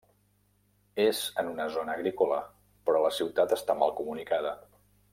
És en una zona agrícola però la ciutat està mal comunicada.